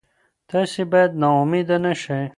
تاسي باید نا امیده نه شئ.